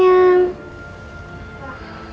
jadi nggak boleh cemberut sayang